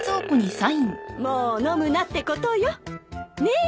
もう飲むなってことよねえ